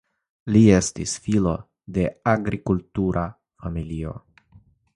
Li estis filo de agrikultura familio.